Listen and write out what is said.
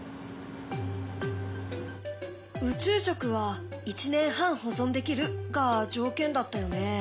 宇宙食は１年半保存できるが条件だったよね。